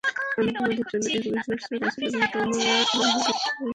আমি তোমাদের জন্য এক বিশ্বস্ত রাসূল এবং তোমরা আল্লাহর বিরুদ্ধে ঔদ্ধত্য প্রকাশ করো না।